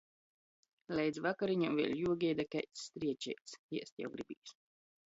Leidz vakareņom vēļ juogaida kaids strēčeits. ēst jau gribīs.